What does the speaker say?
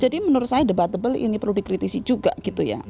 jadi menurut saya debatable ini perlu dikritisi juga gitu ya